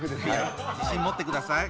自信持ってください。